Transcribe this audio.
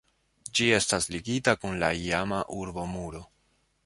Ĝi estas ligita kun la iama urbomuro.